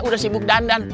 udah sibuk dandan